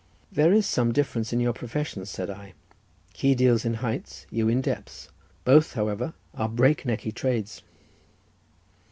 "There is some difference in your professions," said I; "he deals in heights, you in depths; both, however, are break necky trades."